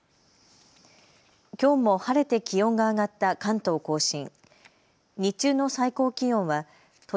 きょうも晴れて気温が上がった関東甲信。